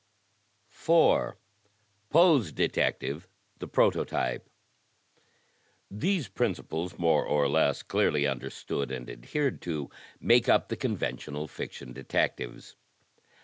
'' 4, Poe^s Detective — The Prototype These principles, more or less clearly understood and adhered to, make up the conventional Fiction Detectives.